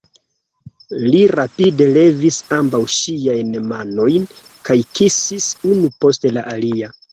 Li rapide levis ambaŭ ŝiajn manojn kaj kisis unu post la alia.